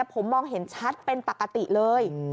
ผมมองเห็นชัดเป็นปกติเลย